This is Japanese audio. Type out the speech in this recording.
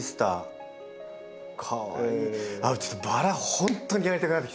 本当にやりたくなってきた！